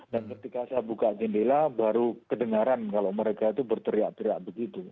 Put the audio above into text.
dan ketika saya buka jendela baru kedengaran kalau mereka itu berteriak teriak begitu